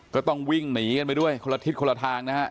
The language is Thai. ก็ต้องวิ่งหนีกันไปด้วยคนละทิศคนละทางนะฮะ